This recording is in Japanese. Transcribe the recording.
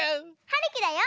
はるきだよ。